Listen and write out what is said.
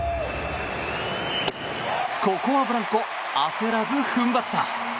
ここはブランコ焦らず踏ん張った。